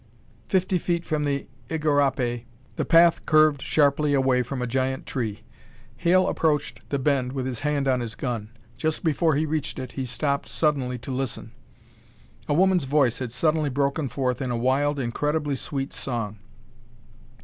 Fifty feet from the igarapé, the path curved sharply away from a giant tree. Hale approached the bend with his hand on his gun. Just before he reached it, he stopped suddenly to listen. A woman's voice had suddenly broken forth in a wild, incredibly sweet song.